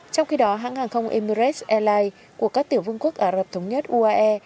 trong khi đó hãng hàng không emirates airlines của các tiểu vương quốc ả rập thống nhất uae